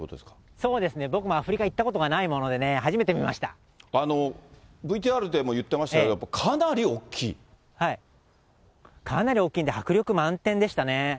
そうですね、僕もアフリカ行ったことがないものでね、ＶＴＲでも言ってましたけどかなり大きいんで、迫力満点でしたね。